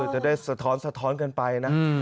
สะท้อนสะท้อนกันไปนะ